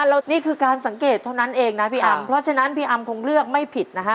แล้วนี่คือการสังเกตเท่านั้นเองนะพี่อำเพราะฉะนั้นพี่อำคงเลือกไม่ผิดนะฮะ